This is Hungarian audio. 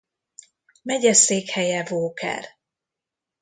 Megyeszékhelye Walker.